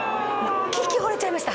聞きほれちゃいました